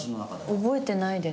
覚えてないです。